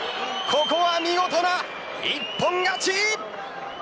ここは見事な一本勝ち。